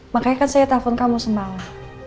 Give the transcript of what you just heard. makanya kan saya telepon kamu semangat